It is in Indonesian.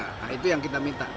nah itu yang kita minta